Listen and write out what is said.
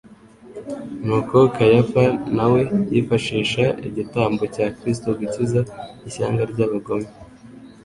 Nuko Kayafa na we yifashisha igitambo cya Kristo gukiza ishyanga ry'abagome,